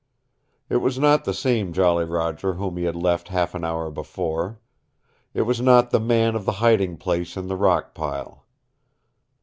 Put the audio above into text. It was not the same Jolly Roger whom he had left half an hour before. It was not the man of the hiding place in the rock pile.